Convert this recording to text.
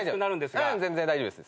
はい大丈夫です。